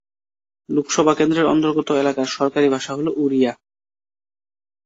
লোকসভা কেন্দ্রের অন্তর্গত এলাকার সরকারি ভাষা হল ওড়িয়া।